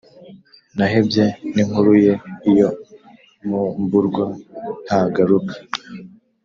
Nahebye n’inkuru ye, iyo nkumburwa ntagaruka